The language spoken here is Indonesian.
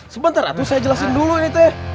sebentar aku tuh saya jelasin dulu nih teh